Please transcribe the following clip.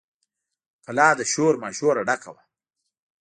کلا له شور ماشوره ډکه وه.